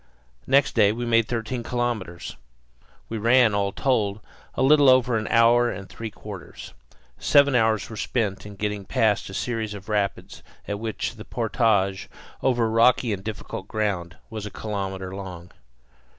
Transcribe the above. Next day we made thirteen kilometres. We ran, all told, a little over an hour and three quarters. Seven hours were spent in getting past a series of rapids at which the portage, over rocky and difficult ground, was a kilometre long.